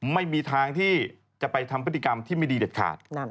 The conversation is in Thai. ไม่มีทางที่จะไปทำพฤติกรรมที่ไม่ดีเด็ดขาด